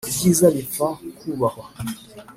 ibyiza bipfa kubahwa